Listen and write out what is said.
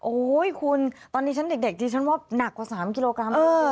โอ้โหคุณตอนนี้ฉันเด็กดิฉันว่าหนักกว่า๓กิโลกรัม